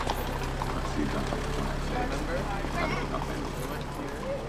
Βρασίδα, φώναξε έξαφνα, βγάλε το καπέλο σου!